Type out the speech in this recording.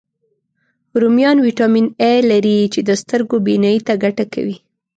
رومیان ویټامین A لري، چې د سترګو بینایي ته ګټه کوي